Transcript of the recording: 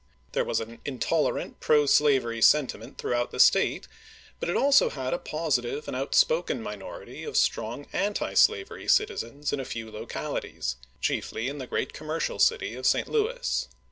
There was an intolerant pro slavery sen timent throughout the State; but it also had a positive and outspoken minority of strong anti slavery citizens in a few localities, chiefly in the great commercial city of St. Louis.